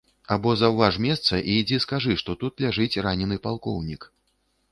Або заўваж месца і ідзі скажы, што тут ляжыць ранены палкоўнік.